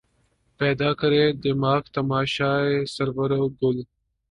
پیدا کریں دماغ تماشائے سَرو و گل